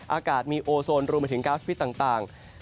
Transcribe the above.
อากาศมีโอโซนรวมไปถึงก๊าสพิษต่าง